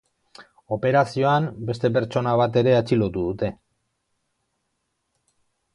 Operazioan, beste pertsona bat ere atxilotu dute.